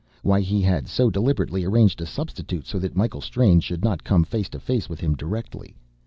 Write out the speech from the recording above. Why he had so deliberately arranged a substitute so that Michael Strange should not come face to face with him directly.